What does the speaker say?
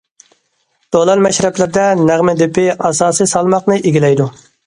دولان مەشرەپلىرىدە نەغمە دېپى ئاساسىي سالماقنى ئىگىلەيدۇ.